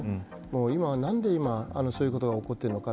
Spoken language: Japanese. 今、何でそういうことが起こってるのか。